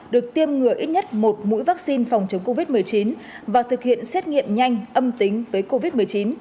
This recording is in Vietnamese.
được tiêm ngừa ít nhất một mũi vaccine phòng chống covid một mươi chín và thực hiện xét nghiệm nhanh âm tính với covid một mươi chín